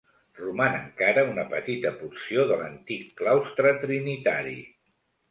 Roman encara una petita porció de l'antic claustre trinitari.